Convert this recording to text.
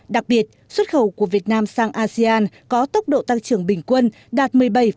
đặc biệt xuất khẩu của việt nam sang asean có tốc độ tăng trưởng bình quân đạt một mươi bảy